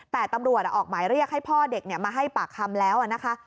แต่ตำรวจออกหมายเรียกให้พ่อเด็กมาให้ปากคำแล้วนะคะ